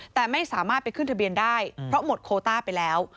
แต่ไม่สามารถไปขึ้นทะเบียนได้เพราะหมดโคต้าไปแล้ว